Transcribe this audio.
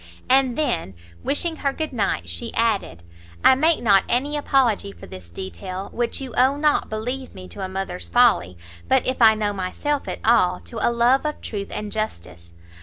And then, wishing her good night, she added, "I make not any apology for this detail, which you owe, not, believe me, to a mother's folly, but, if I [know] myself at all, to a love of truth and justice.